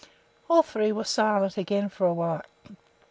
All three were silent again for a while.